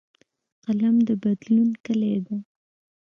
قلم د بدلون کلۍ ده